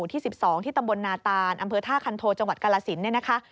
ที่๑๒ที่ตำบลนาตาลอำเภอท่าคันโทจังหวัดกรราศิลป์